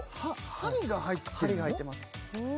針が入ってますえ